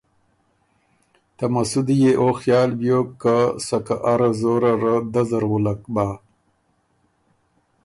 ته مسُودی يې او خیال بیوک که سکه اره زوره ره دۀ زر وُلّک بۀ۔